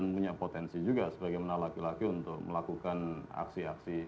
dan punya potensi juga sebagai laki laki untuk melakukan aksi aksi